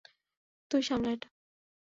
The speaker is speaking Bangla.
তুই সামলা এটা।